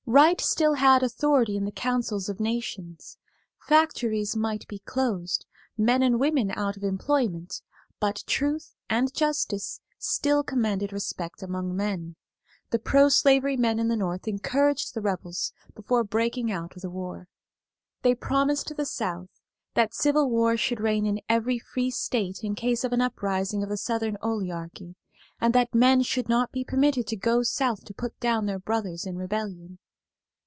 Right still had authority in the councils of nations. Factories might be closed, men and woman out of employment, but truth and justice still commanded respect among men. The proslavery men in the North encouraged the rebels before the breaking out of the war. They promised the South that civil war should reign in every free state in case of an uprising of the Southern oligarchy, and that men should not be permitted to go South to put down their brothers in rebellion.